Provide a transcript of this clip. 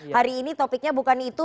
hari ini topiknya bukan itu